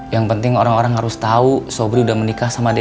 yang penting orang orang harus tahu sobri udah menikah sama dia